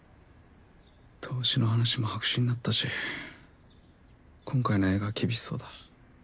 投資の話も白紙になったし今回の映画厳しそうだ。